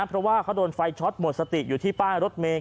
เพราะว่าเขาโดนไฟช็อตหมดสติอยู่ที่ป้ายรถเมฆ